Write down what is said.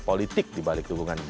politik di balik dukungan ini